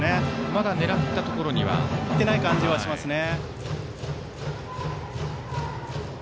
まだ狙ったところにはいってない感じはしますね。